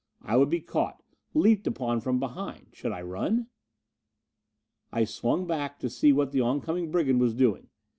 I would be caught, leaped upon from behind. Should I run? I swung back to see what the oncoming brigand was doing.